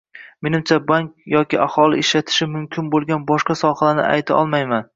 Menimcha, bank yoki aholi ishlatishi mumkin boʻlgan boshqa sohalarni ayta olmayman.